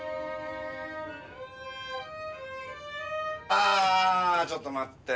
ああちょっと待って。